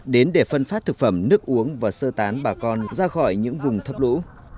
đến để phân phát thực phẩm nước uống và sơ tán bà con ra khỏi những vùng thấp lũ